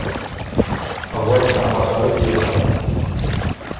غؤس ا مسلۀ تيې څۀ هۀ؟